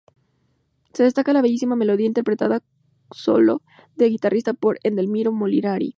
Se destaca la bellísima melodía interpretada como solo de guitarra por Edelmiro Molinari.